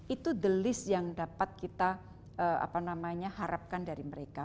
itu the list yang dapat kita harapkan dari mereka